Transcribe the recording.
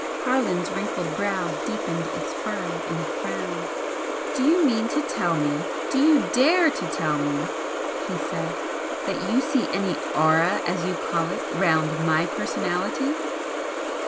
Harland's wrinkled brow deepened its furrows in a frown. "Do you mean to tell me, do you DARE to tell me" he said "that you see any 'aura,' as you call it, round my personality?"